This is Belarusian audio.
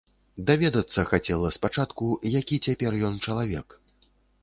Даведацца хацела спачатку, які цяпер ён чалавек.